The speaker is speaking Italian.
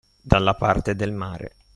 dalla parte del mare